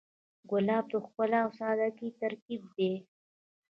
ګلاب د ښکلا او سادګۍ ترکیب دی.